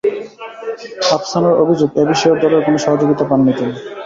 আপসানার অভিযোগ, এ বিষয়েও দলের কোনো সহযোগিতা পাননি তিনি।